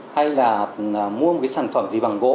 hay là mua một cái sản phẩm gì bằng gỗ